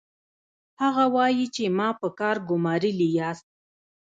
هغه وايي چې ما په کار ګومارلي یاست